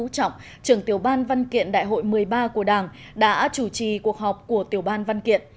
trưởng tiểu ban văn kiện đại hội một mươi ba của đảng đã chủ trì cuộc họp của tiểu ban văn kiện